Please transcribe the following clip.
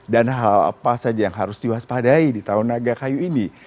dan hal apa saja yang harus diwaspadai di tahun naga kayu ini